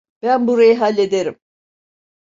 Ben burayı hallederim.